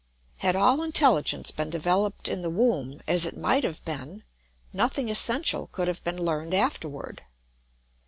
] Had all intelligence been developed in the womb, as it might have been, nothing essential could have been learned afterward.